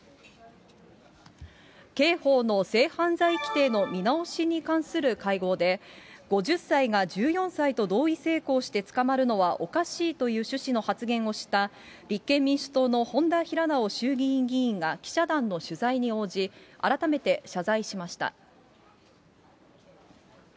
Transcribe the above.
刑法の性犯罪規定の見直しに関する会合で、５０歳が１４歳と同意性交して捕まるのはおかしいという趣旨の発言をした、立憲民主党の本多平直衆議院議員が記者団の取材に応じ、改めて謝罪しました。